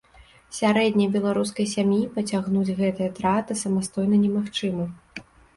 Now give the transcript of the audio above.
Сярэдняй беларускай сям'і пацягнуць гэтыя траты самастойна немагчыма.